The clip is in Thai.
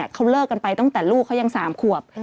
เขาเลิกกันไปตั้งแต่ลูกเขายัง๓ขวบ